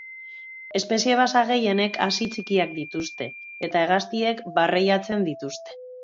Espezie basa gehienek hazi txikiak dituzte, eta hegaztiek barreiatzen dituzte.